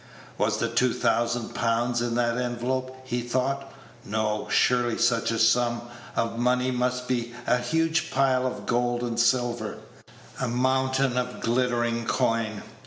Was the two thousand pounds in that envelope? he thought. No, surely such a sum of money must be a huge pile of gold and silver a mountain of glittering coin.